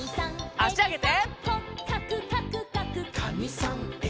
あしあげて。